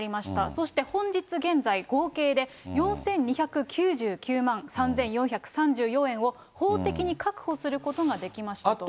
そして本日現在、合計で４２９９万３４３４円を法的に確保することができましたと。